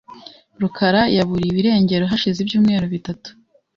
rukara yaburiwe irengero hashize ibyumweru bitatu .